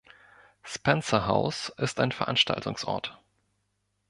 Spencer House ist ein Veranstaltungsort.